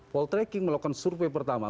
poltracking melakukan survei pertama